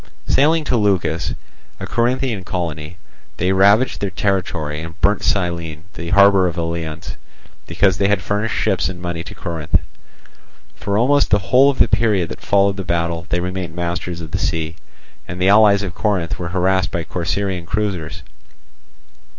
Sailing to Leucas, a Corinthian colony, they ravaged their territory, and burnt Cyllene, the harbour of the Eleans, because they had furnished ships and money to Corinth. For almost the whole of the period that followed the battle they remained masters of the sea, and the allies of Corinth were harassed by Corcyraean cruisers.